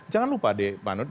jangan lupa de panut